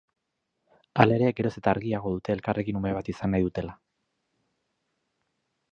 Hala ere, geroz eta argiago dute elkarrekin ume bat izan nahi dutela.